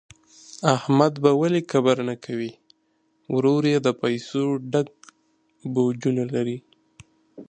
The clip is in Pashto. احمد به ولي کبر نه کوي، ورور یې د پیسو ډک بوجونه لري.